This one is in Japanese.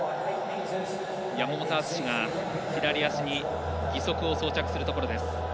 山本篤が左足に義足を装着するところです。